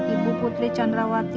ibu putri candrawati